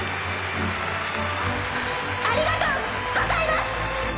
ありがとうございます！